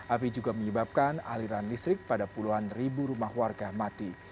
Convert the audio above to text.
api juga menyebabkan aliran listrik pada puluhan ribu rumah warga mati